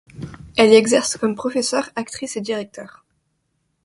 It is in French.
Elle y exerce comme professeur, actrice et directeur.